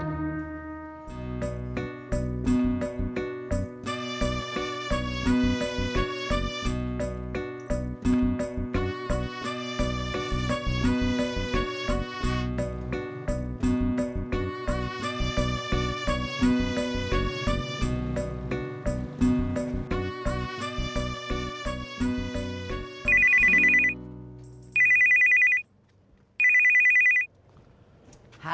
maaf ya mas pur